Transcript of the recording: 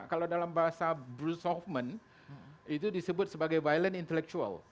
kalau dalam bahasa bruce offman itu disebut sebagai violent intellectual